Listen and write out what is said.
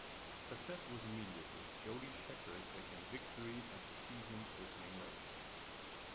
Success was immediate with Jody Scheckter taking victory at the season's opening race.